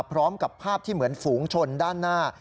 พร้อมกับภาพที่เหมือนฝูงชนด้านหน้า